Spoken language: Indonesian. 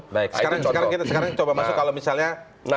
sekarang kita sekarang coba masuk kalau misalnya